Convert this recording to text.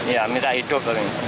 ya minta hidup